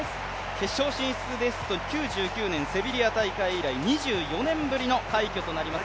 決勝進出ですと、セビリア大会以来２４年ぶりの快挙となります